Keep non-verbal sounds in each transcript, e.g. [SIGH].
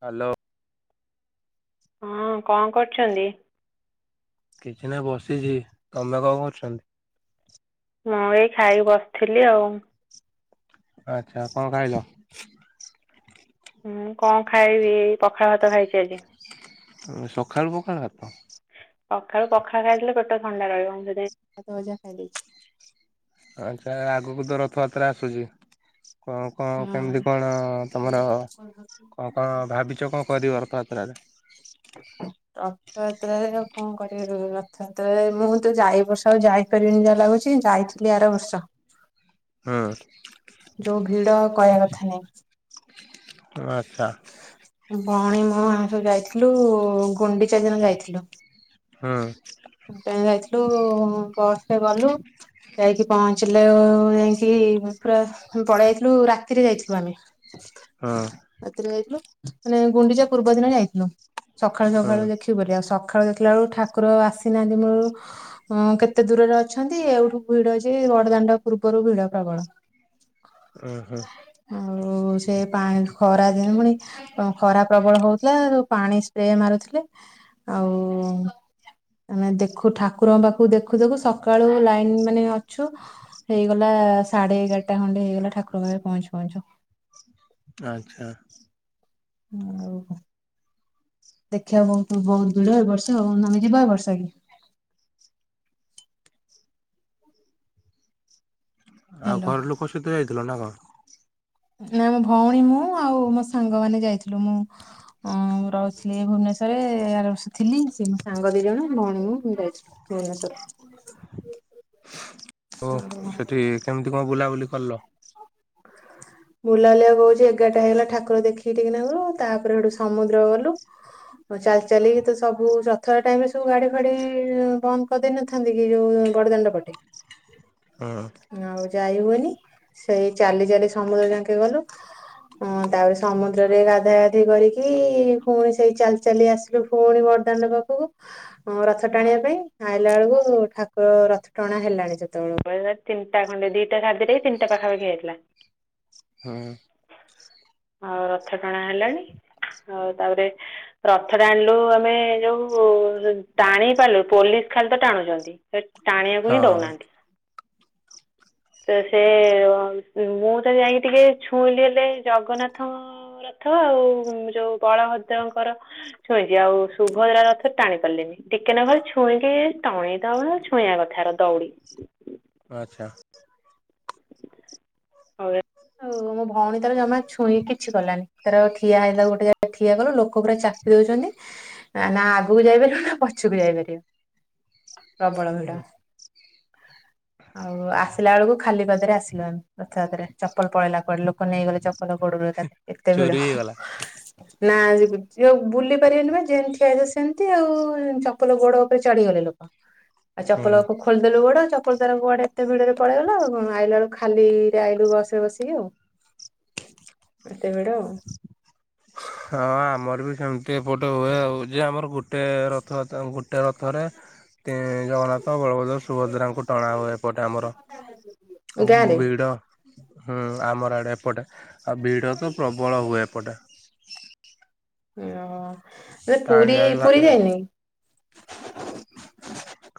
Hello. ହଁ କଣ କରୁଛନ୍ତି। କିଛି ନାହି ବସିଛି ତମେ କଣ କରୁଛନ୍ତି? ମୁଁ ଏଇ ଖାଇକି ବସିଥିଲି ଆଉ। ଆଛା କଣ ଖାଇଲ? ହଁ କଣ ଖାଇବି ପଖାଳ ଭାତ ଖାଇଛି ଆଜି। ସକାଳୁ ପଖାଳ ଭାତ। ସଖାଳୁ ପଖାଳ ଖାଇଦେଲେ ପେଟ ଥଣ୍ଡା ରହିବ ମୁଁ ପଖାଳ ଖାଇଦେଇଛି। ଆଛା ଆଗକୁ ତ ରଥଯାତ୍ରା ଆସୁଛି। କଣ କଣ ହଁ। କେମିତି କଣ ତମର କଣ କଣ ଭାବିଛ କଣ କରିବ ରଥଯାତ୍ରାରେ? ରଥଯାତ୍ରାରେ ଆଉ କଣ କରିବୁ ରଥଯାତ୍ରାରେ ମୁଁ ତ ଯାଇ ବର୍ଷ ଆଉ ଯାଇପାରିବିନି ଯାହା ଲାଗୁଛି ଯାଇଥିଲି ଆର ବର୍ଷ। ହୁଁ। ଯୋଉଁ ଭିଡ଼ କହିବା କଥା ନାହିଁ। ଆଚ୍ଛା। ଭଉଣୀ ମୋ ଆମେ ସବୁ ଯାଇଥିଲୁ ଗୁଣ୍ଡିଚା ଦିନ ଯାଇଥିଲୁ। ହୁଁ। [UNINTELLIGIBLE] ଠୁ ବସ ରେ ଗଲୁ ଯାଇକି ପହଞ୍ଚିଲେ ଯାଇକି ପହଂଚିଲୁ ପଳେଇ ଯାଇଥିଲୁ ରାତିରେ ଯାଇଥିଲୁ ଆମେ। ହୁଁ ରାତିରେ ଯାଇଥିଲୁ ମାନେ ଗୁଣ୍ଡିଚା ପୂର୍ବ ଦିନ ଯାଇଥିଲୁ। ସକାଳୁ ହୁଁ ସକାଳୁ ଦେଖି ବୋଲି ସଖାଳେ ଦେଖିଲା ବେଳକୁ ଠାକୁର ଆସି ସିନାହାନ୍ତି ମୂଳରୁ କେତେ ଦୂରରେ ଅଛନ୍ତି ଏଉଠୁ ଭିଡ ଯେ ବଡଦାଣ୍ଡ ପୂର୍ବରୁ ଭିଡ ପ୍ରବଳ। ଉଁ ହୁଁ ଆଉ ସେ ପାଣି ଖରା ଦିନ ପୁଣି ଖରା ପ୍ରବଳ ହଉଥିଲା ପାଣି ସ୍ପ୍ରେ ମାରୁଥିଲେ ଆଉ ଆମେ ଦେଖୁ ଠାକୁରଙ୍କ ପାଖକୁ ଦେଖୁ ଦେଖୁ ସକାଳୁ ଲାଇନ ମାନେ ଅଛୁ ହେଇଗଲା ସାଢେ ଏଗାରଟା ଖଣ୍ଡେ ହେଇଗଲା ଠାକୁରଙ୍କ ପାଖରେ ପହଞ୍ଚି ପହଞ୍ଚୁ। ଆଚ୍ଛା। [INAUDIBLE] ଆଉ କ ଦେଖିବା ବ ବହୁତ ଦିଡ ଏ ବର୍ଷା ଆଉ ଆମେ ଯିବା ଏ ବର୍ଷା କି? ଆଉ ହେଲୋ ଘର ଲୋକ ସହିତ ଯାଇଥିଲ ନା କଣ? ନା ମୋ ଭଉଣୀ ମୁଁ ଆଉ ମୋ ସାଙ୍ଗ ମାନେ ଯାଇଥିଲୁ ମୁଁ ରହୁଥିଲି ଭୁବନେଶସୁରରେ ରଥିଲି ସେ ମୋ ସାଙ୍ଗ ଦି ଜଣ ଭଉଣୀ ମୁ ଯାଇଥିଲ ଭୁବନେଶ୍ୱର। [INAUDIBLE] ସେଠି କେମିତି କଣ ବୁଲାବୁଲି କଲ? ବୁଲାଲିଆକୁ କହୁଛି ଏଗାରଟା ହେଇଗଲା ଠାକୁର ଦେଖିକି ଟିକି ନାଗରୁ ତାପରେ ସେଠୁ ସମୁଦ୍ର ଗଲୁ ଚାଲି ଚାଲି ତ ସବୁ ରଥ ଟାଇମରେ ସବୁ ଗାଡି ଫାଡି ବନ୍ଦ କରିଦେଇନଥାନ୍ତି କି ଯୋଉ ବଡ ଦାଣ୍ଡ ପଟେ। ହଁ। ଆଉ ଯାଇ ହୁଏନି ସେଇ ଚାଲି ଚାଲି ସମୁଦ୍ର ଯ କ ଗଲୁ ତାପରେ ସମୁଦ୍ରରେ ଗାଧ ଗାଧି କରିକି ପୁଣି ସେଇ ଚାଲି ଚାଲି ଆସିଲୁ ପୁଣି ବରଦାଣ୍ଡ ପାଖକୁ ରଥ ଟାଣିବା ପାଇଁ ଆଇଲା ବେଳକୁ ଠାକୁର ରଥ ଟଣା ହେଲାଣି ଯେତେବେଳ ତିନିଟା ଖଣ୍ଡେ ଦିଟା ଖା ତିନିଟା ପାଖାଖି ହେଇଥିଲା। ହୁଁ। ଆଉ ରଥ ଟାଣା ହେଲାଣି ଆଉ ତାପରେ ରଥ ଟାଣିଲୁ ଆମେ ଯୋଉ ଟାଣି ପାରିଲୁ ପୋଲିସ ଖାଲି ତ ଟାଣୁଛନ୍ତି ସେ ଟାଣିବାକୁ ହିଁ ହଁ ଦଉନାହାନ୍ତି। ତ ସେ ମୁଁ ତ ଯାଇକି ଟିକେ ଛୁଇଁଲି ହେଲେ ଜଗନ୍ନାଥ ରଥ ଆଉ ଯୋଉ ବଳଭଦ୍ରଙ୍କର ଛୁଇଁଛି ଆଉ ସୁଭଦ୍ରା ରଥ ଟାଣି ପାରିଲନି ଟିକେ ନ ଭଲେ ଛୁଇଁକି ଟଣ ଦଉ ଆଉ ଛୁଇଁବା କଥା ର ଦଉଡ଼ି। ଆଚ୍ଛା। ହଉ ମୋ ଭଉଣୀ ତାର ଜମା ଛୁଇଁ କିଛି କଲାନି ତାର ଠିଆ ହେଇଲା ଗୋଟେ ଜାଗ ଠିଆ କଲୁ ଲୋକ ପୁରା ଚାପି ଦଉଛନ୍ତି ନା ଆଗକୁ ଯାଇପାରିବ ନା ପଛକୁ ଯାଇପାରିବ ପ୍ରବଳ ଭିଡ। ଆଉ ଆସିଲା ବେଳକୁ ଖାଲି ପାଦରେ ଆସିଲୁ ଆମେ ରଥ ଜାତରେ ଚପଲ ପଳେଇଲା କୁଆଡେ ଲୋକ ନେଇଗଲେ ଚପଲ ଗୋଡରୁ। [INAUDIBLE] ଏତେ ଚୋରି ଭିଡ଼। ହେଇଗଲା ନା ଯଉ ବୁଲି ପାରିବେନି ବା ଯେମିତି ଠିଆ ହେଇଥିବ ସେମିତି ଆଉ ଚପଲ ଗୋଡ ଉପରେ ଚଢିଗଲେ ଲୋକ ଆଉ ହୁଁ। ଚପଲ ଖୋଲିଦେଲୁ ଗୋଡ ଚପଲ ତାର ଗୋଆଡ ଏତେ ଭିଡରେ ପଳେଇଗଲା ଆଇଲା ବେଳକୁ ଖାଲି ରେ ଆଇଲୁ ବସ ବସିକି ଆଉ। ଏତେବେଡ। [INAUDIBLE] ହଁ ଆମର ବି ସେମିତି ଏପଟେ ହୁଏ ଆଉ ଯେ ଆମର ଗୋଟେ ରଥ ଗୋଟେ ରଥରେ ଜଗନ୍ନାଥ ବଳଭଦ୍ର ସୁଭଦ୍ରାଙ୍କୁ ଟଣା ହୁଏ ଏପଟେ ଆମର ଆଉ ଗାଁରେ ଭିଡ ହୁଁ ଆମର ଆଡେ ଏପଟେ ଆଉ ଭିଡ଼ ତ ପ୍ରବଳ ହୁଏ ଏପଟେ ଓ। [INAUDIBLE] ମେ ପୁରୀ ଟାଣିବା ବି ଭାରି ପୁରୀ ଯାଇନ କି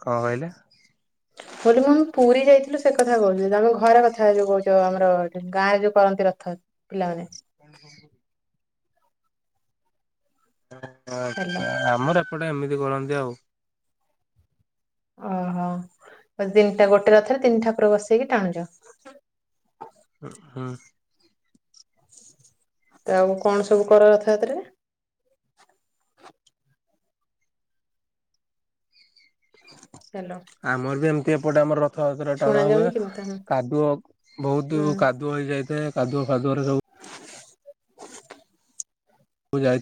କଣ କହିଲେ? ବୋଲି ମୁଁମ ପୁରୀ ଯାଇଥିଲୁ ସେ କଥା କହୁଥିଲି ତମେ ଘରେ କଥା ଯୋଉ କହୁଛ ଆମର ଗାଁରେ ଯୋଉ କରନ୍ତି ରଥ ପିଲାମାନେ ହେଲା ଆଛା ଆମର ପଟେ ଏମିତି କରନ୍ତି ଆଉ ଓହୋ ଦତିନିଟା ଗୋଟେ ର ଥରେ ତିନିଟା ଉପରେ ବସେଇକି ଟାଣୁଛ। ହଁ। ତ ଆଉ କଣ ସବୁ କର କଥା ଏଥିରେ ହ୍ୟାଲୋ ଆମର ବି ଆମ ସେପଟେ ଆମ ଥାତରେ ଶୁଣା ଟାଣା ହୁଏ ଯାଉନି କି ମତେ ହୁଁ କାଦୁଅ ବହୁତ କାଦୁଅ ହେଇଯାଇଥାଏ କାଦୁଅ ଫାଦୁଅରେ ସବୁ ମୁଁ ଯାଇ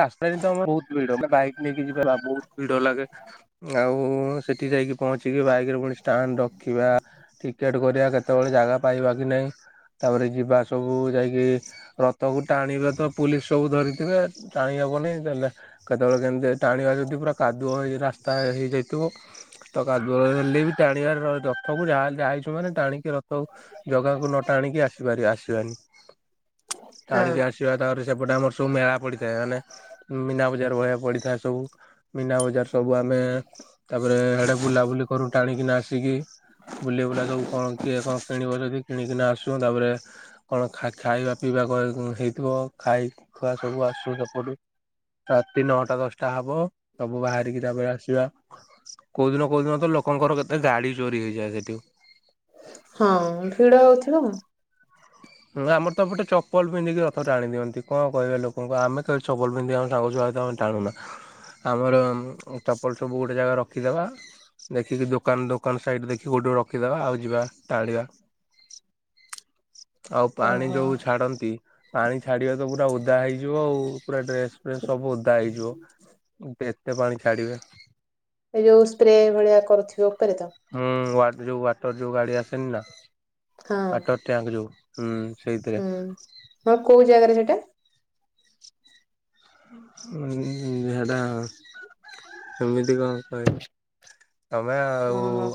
ରାସ୍ତାରେ ତ ଆମେ ବହୁତ ଭିଡ ବାଇକ୍ ନେଇକି ଯିବା ବହୁତ ଭିଡ ଲାଗେ ଆଉ ହଁ ସେଠି ଯାଇକି ପହଞ୍ଚିକି ବାଇକରେ ପୁଣି ଷ୍ଟାଣ୍ଡ ରଖିବା ଟିକେଟ କରିବା କେତେବେଳେ ଜାଗା ପାଇବା କି ନାଇଁ ତାପରେ ଯିବା ସବୁ ଯାଇକି ରଥକୁ ଟାଣିଲେ ତ ପୁଲିସ ସବୁ ଧରିଥିବେ ଟାଣି ହେବନି ଦେଲେ କେତେବେଳେ କେମିତି ଟାଣିବା ଯଦି ପୁରା କାଦୁଅ ହେଇ ରାସ୍ତା ହେଇଯାଇଥିବ। ତ କାଦୁଅ ହେଲେ ବି ଟାଣିବାର ରଥକୁ ଯାହାହେଲେ ଆଇଛୁ ମାନେ ଟାଣିକି ରଥକୁ ଜଗାକୁ ନଟାଣିକି ଆସିପାରିବା ଆସିବାନି। ହଁ ଆଣିକି ଆସିବା ତାପରେ ସେପଟେ ଆମର ସବୁ ମେଳା ପଡିଥାଏ ମାନେ ମୀନା ବଜାର ଭଳିଆ ପଡିଥାଏ ସବୁ ମୀନା ବଜାର। ସବୁ ଆମେ ତାପରେ ସେଡେ ବୁଲାବୁଲି କରୁ ଟାଣିକିନା ଆସିକି ବୁଲି ବୁଲା ସବୁ କଣ କିଏ କଣ କିଣିବ ଯଦି କିଣିକିନା ଆସୁ ତାପରେ କଣ ଖାଇବା ପିଇବା ହେଇଥିବ ଖାଇ ଖୁଆ ସବୁ ଆସୁ ସେପଟୁ ରାତି ନଅଟା ଦଶଟା ହବ ସବୁ ବାହାରିକି ତାପରେ ଆସିବା। କୋଉ ଦିନ କୋଉ ଦିନ ତ ଲୋକଙ୍କର କେତେ ଗାଡି ଚୋରି ହେଇଯାଏ ସେଠି। ହଁ ଭିଡ ହଉଥିବ। ହୁଁ ଆମର ତ ଏପଟେ ଚପଲ ପିନ୍ଧିକି ରଥ ଟାଣି ଦିଅନ୍ତି କଣ କହିବେ ଲୋକଙ୍କୁ ଆମେ କେବେ ଚପଲ ପିନ୍ଧିବା ଆମ ସାଙ୍ଗଛୁଆ ଆମେ ଟାଣୁନା ଆମର ଚପଲ ସବୁ ଗୋଟେ ଜାଗାରେ ରଖି ରଖିଦବା ଦେଖିକି ଦୋକାନ ଦୋକାନ ସାଇଡ ଦେଖିକି ଗୋଟେ ରଖିଦବା ଆଉ ଯିବା ଟାଣିବା। ଆଉ ପାଣି ଓହୋ ଯୋଉ ଛାଡନ୍ତି ପାଣି ଛାଡିବା ତ ପୁରା ଓଦା ହେଇଯିବ ଆଉ ପୁରା ଡ୍ରେସ ଫ୍ରେସ ସବୁ ଓଦା ହେଇଯିବ କେ କେତେ ପାଣି ଛାଡିବେ। ଏଇ ଯୋଉ ସ୍ପ୍ରେ ଭଳିଆ କରୁଥିବ। ଉପରେ ତ ହୁଁ ବାଦ ଯୋଉ ବା ମଟର ଯୋଉ ଗାଡି ଆସେନି ନା। ହଁ ଅଟୋ ଟ୍ୟାଙ୍କ ଯୋଉ ହୁଁ। ସେଇଥିରେ ହୁଁ ହଁ କୋଉ ଜାଗାରେ? ଝାଡା କେମିତି କ କହିବି? ତମେ ଆଉ ଓହୋ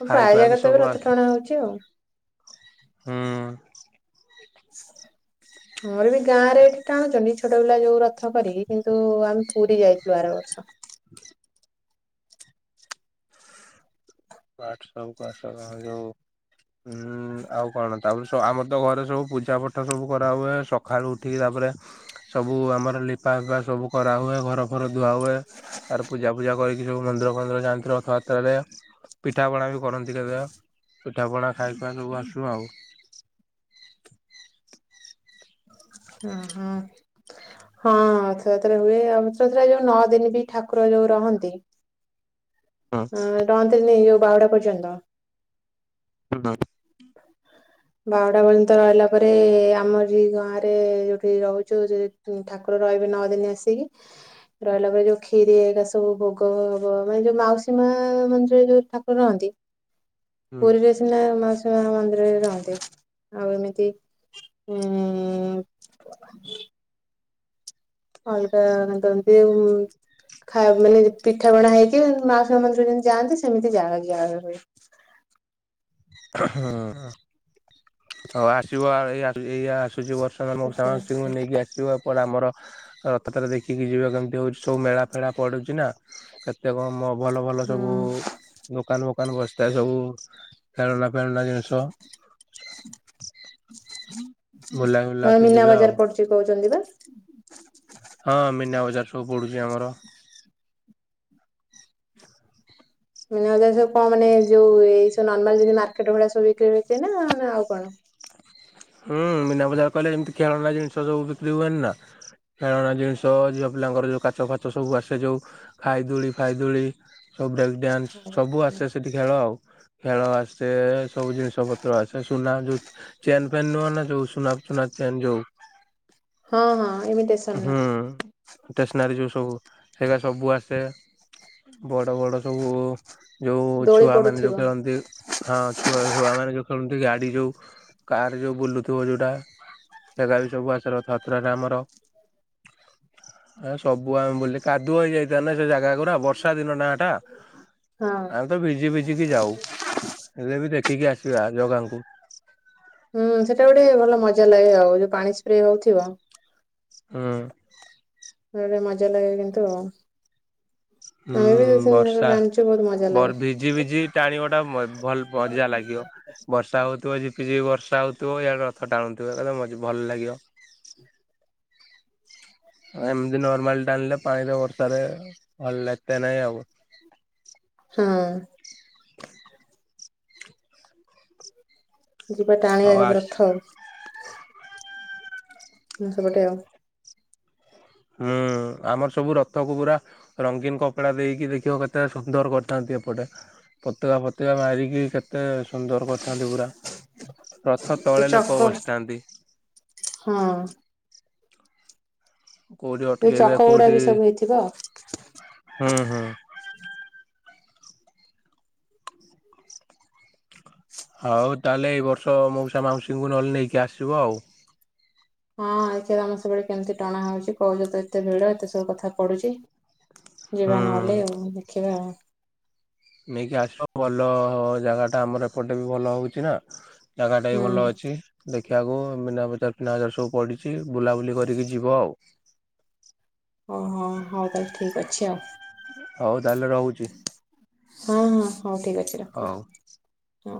ହଁ ପ୍ରାୟ ଖାଇଖୁଆକି ଜାଗାରେ ତ ଏବେ ସବୁ ଆସ ରଥ ଟଣା ହଉଛି ଆଉ। ହୁଁ। ଆମର ବି ଗାଁ ରେ ଏଠି ଟାଣୁଛନ୍ତି ଛୋଟ ପିଲା ଯୋଉ ରଥ କରିକି କିନ୍ତୁ ଆମେ ପୁରୀ ଯାଇଥିଲୁ ଆର ବର୍ଷ। ପାଠ ସବୁ ଯୋଉ ଆଉ କଣ ତାପରେ ଆମର ତ ଘରେ ସବୁ ପୂଜାପାଠ ସବୁ କରାହୁଏ ସକାଳୁ ଉଠିକି ତାପରେ ସବୁ ଆମର ଲିପା ଫିପା ସବୁ କରାହୁଏ, ଘର ଫର ଧୁଆ ହୁଏ ଆର ପୂଜା ଫୂଜା କରିକି ସବୁ ମନ୍ଦିର ଫନ୍ଦିର ଯାଆନ୍ତି ରଥଯାତ୍ରାରେ। ପିଠାପଣା ବି କରନ୍ତି କେତେ ପିଠାପଣା ଖାଇକି ସବୁ ଆସୁ ଆଉ। ଉଁ ହୁଁ -ହଁ ରଥଯାତ୍ରା ହୁଏ ଆଉ। ରଥଯାତ୍ରା ଯୋଉ ନଅ ଦିନ ବି ଠାକୁର ଯୋଉ ରହନ୍ତି ଉଁ ରହନ୍ତିନି ବାହୁଡ଼ା ପର୍ଯ୍ୟନ୍ତ। [UNINTELLIGIBLE] ବାହୁଡା ପର୍ଯ୍ୟନ୍ତ ରହିଲା ପରେ ଆମରି ଏଇ ଗାଁରେ ଯୋଉଠି ରହୁଛୁ ସେ ଠାକୁର ରହିବେ ନଅ ଦିନ ଆସିକି। ରହିଲା ପରେ ଯୋଉ କ୍ଷିରି ସବୁ ଭୋଗ ହବ ମାନେ ଯୋଉ ମାଉସୀ ମା ମନ୍ଦିରରେ ଯୋଉ ଠାକୁର ରହନ୍ତି ହୁଁ ପୁରୀରେ ସିନା ମା ମାଉସୀ ମା ମନ୍ଦିରରେ ରହନ୍ତି। ଆଉ ଏମିତି ଉ ଅଲଗା ଖାଇବା ମାନେ ପିଠା ପଣା ହେଇକି ମାଉସି ମା ମନ୍ଦିର ଯେମିତି ଯାଆନ୍ତି ସେମିତି ଯା ହୁଁ ହଉ ଆସିବ ଏଇଆ ଆସୁଛି [UNINTELLIGIBLE] ମାନଙ୍କୁ ଏତେ ଏତେ ସମସ୍ତଙ୍କୁ ନେଇକି ଆସିବ। ପଡେ ଆମର। ରଥ ଥରେ ଦେଖିକି ଯିବ କେମିତି ହଉଛି ସବୁ ମେଳା ଫେଳା ପଡୁଛି ନା କେତେ କଣ? ଭଲ ଭଲ ହଁ ସବୁ ଦୋକାନ ଦୋକାନ ବସିଥାଏ ସବୁ ଖେଳନା ଫେଳନା ଜିନିଷ ବୁଲା ତମେ ବୁଲାକ ମୀନା ଯିବେ ଆଉ। ବଜାର ପଡୁଛି କହୁଛନ୍ତି ବା। ହଁ, ମୀନା ବଜାର ସବୁ ପଡୁଛି ଆମର। ମୀନା ବଜାର ସବୁ କଣ ମାନେ ଯୋଉ ଏଇ ସବୁ ନର୍ମାଲ୍ ଯେମିତି ମାର୍କେଟ ଭଳିଆ ସବୁ ବିକ୍ରି ଫିକ୍ରି ନା ଆଉ କଣ? ହୁଁ, ମୀନା ବଜାର କହିଲେ ଏମିତି ଖେଳନା ଜିନିଷ ସବୁ ବିକ୍ରି ହୁଏନି ନା ଖେଳନା ଜିନିଷ, ଝିଅ ପିଲାଙ୍କର ଯୋଉ କାଚ ଫାଚ ସବୁ ଆସେ ଯୋଉ ଖାଇ ଦୋଳି ଫାଇ ଦୋଳି ସବୁ ଡ୍ୟାନ୍ସ ସବୁ ଆସେ ସେଇଠି ଖେଳ ଆଉ। ଖେଳ ଆସେ ସବୁ ଜିନିଷ ପତ୍ର ଆସେ ସୁନା ଯୋଉ ଚେନ୍ ପେନ୍ ନୁହଁନା ଯୋଉ ସୁୁନା ସୁନା ଚେନ୍ ଯୋଉ ହଁ ହଁ। ଇମିଟେସନ ହୁଁ, ନା ଷ୍ଟେସନାରୀ ଯୋଉ ସବୁ ସେଇଗୁରା ସବୁ ଆସେ ବଡ଼ ବଡ଼ ସବୁ ଯୋଉ ଦୋଳି ଛୁଆମାନେ ପଡୁଥିବ ଯୋଉ ଖେଳନ୍ତି। ହଁ ଛୁଆ ଛୁଆ ମାନେ ଯୋଉ ସେମତି ଗାଡ଼ି ଯୋଉ କାର୍ ଯୋଉ ବୁଲୁଥିବ ଯୋଉଁଟା ସେଟା ବି ସବୁ ଆସେ ରଥଯାତ୍ରାରେ ଆମର। ସବୁ ଆମେ ବୁଲି କାଦୁଅ ହେଇଯାଇଥା ନା ସେ ଜାଗା ଗୁରା ବର୍ଷା ଦିନ ନା ଏଟା। ହଁ। ଆଉ ତ ଭିଜି ଭିଜିିକି ଯାଉ ହେଲେ ବି ଦେଖ ଖିକି ଆସିବା ଜଗାଙ୍କୁ ହୁଁ ସେଟା ଗୋଟେ ଭଲ ମଜା ଲାଗେ ଆଉ ଯୋଉ ପାଣି ସ୍ପ୍ରେ ହଉଥିବ। ହୁଁ ଭଲ ମଜା ଲାଗେ କିନ୍ତୁ ଆଉ। ହୁଁ ଆମେ ବି ଦି ତିନି ଥର ବର୍ଷା ଟାଣିଛୁ ବହୁତ ମଜା ଲାଗେ। ବର ଭିଜି ଭିଜି ଟାଣିବ ଟା ଭଲ ମଜା ଲାଗିବ। ବର୍ଷା ହଉଥିବ ଝିପିଝିପି ବର୍ଷା ହଉଥିବ ଇଆଡେ ରଥ ଟାଣୁଥିବ [INAUDIBLE] ଭଲ ଲାଗିବ। ଏମିତି ନର୍ମାଲ ଟାଣିଲେ ପାଣିରେ ବର୍ଷାରେ ଭଲ ଏତେ ନାଇଁ ଆଉ। ହୁଁ ହ ଯିବା ଟାଣିଆ ହଉ ଆସ ରଥ ଆଉ [UNINTELLIGIBLE] [INAUDIBLE] ହୁଁ ଆମର ସବୁ ରଥକୁ ପୁରା ରଙ୍ଗୀନ କପଡା ଦେଇକି ଦେଖିବ କେତେ ସୁନ୍ଦର କରିଥାନ୍ତି ଏପଟେ ପତକା ଫତକା ମାରିକି କେ ଏତେ ସୁନ୍ଦର କରିଥାନ୍ତି ପୁରା ରଥ ସେ ତଳେ ଲୋକ ଚକ ବସିଥାନ୍ତି। ହଁ କୋଉଠି ଏଇ ଅଟକେଇବେ ଚକ ଗୁଡା କୋଉଠି ବି ସବୁ ହେଇଥିବ। ହୁଁ ହୁଁ! ହଉ ତାହେଲେ ଏଇ ବର୍ଷ ମଉସା ମାଉସୀଙ୍କୁ ନହେଲେ ନେଇକି ଆସିବ ଆଉ। ହଁ [INAUDIBLE] ଆମ ସବୁବେଳେ କେମିତି ଟଣା ହଉଛି କହୁଛ ତ ଏତେ ଭିଡ ଏତେ ସବୁ କଥା ପଢୁଛି। ଯିବା ହୁଁ। ନହେଲେ ଆଉ ଦେଖିବା। ନେଇକି ଆସି ଭଲ ଜାଗାଟା ଆମର ଏପଟେ ବି ଭଲ ହେଉଛି ନା ଜାଗା ଟା ବି ହୁଁ ଭଲ ଅଛି ଦେ କିଆ ଗୋ ମୀନା ବଜାର ଫିନା ବଜାର ସବୁ ପଡିଛି ବୁଲାବୁଲି କରିକି ଯିବ ଆଉ। ଓହୋ ହଉ ତାହେଲେ ଠିକ ଅଛି ଆଉ। ହଉ ତାହେଲେ ରହୁଛି ହଁ ହଁ ହଉ ଠିକ୍ ଅଛି ରଖ। ହଉ। ହଁ